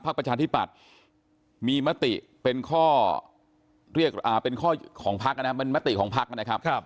ภาคประชาธิบัติมีมติเป็นข้อของพรรคนะครับ